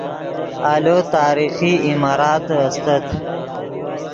آلو تاریخی عماراتے استت